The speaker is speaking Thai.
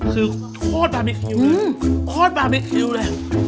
คือโธ่บาบิ๊กคิวเลยโธ่บาบิ๊กคิวเลย